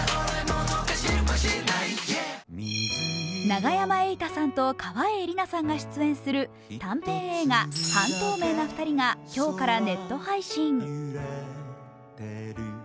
永山瑛太さんと川栄李奈さんが出演する短編映画「半透明な２人」が今日からネット配信。